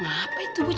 apa itu bu jo